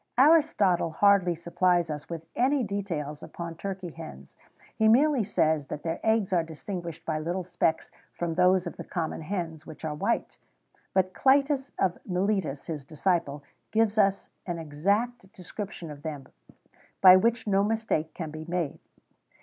Aristotle hardly supplies us with any details upon turkey hens: he merely says that their eggs are distinguished by little specks from those of the common hens, which are white;[XVII 104] but Clytus of Miletus, his disciple, gives an exact description of them, by which no mistake can be made.